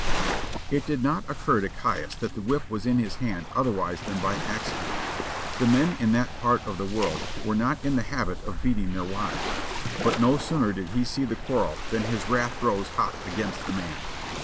It did not occur to Caius that the whip was in his hand otherwise than by accident. The men in that part of the world were not in the habit of beating their wives, but no sooner did he see the quarrel than his wrath rose hot against the man.